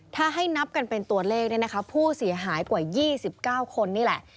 ถ้าให้นับกันเป็นตัวเลขเนี่ยนะคะผู้เสียหายกว่า๒๙คนนี่แหละ